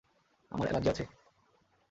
আমার এলার্জি আছে।